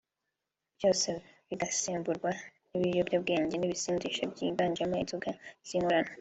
byose bigasemburwa n’ibiyobyabwenge n’ibisindisha byiganjemo inzoga z’inkorano